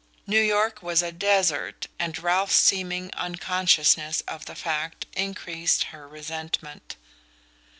New York was a desert, and Ralph's seeming unconsciousness of the fact increased her resentment.